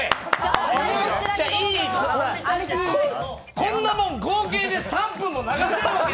こんなもん、合計で３分も流せるわけ。